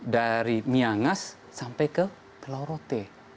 dari miangas sampai ke pulau rote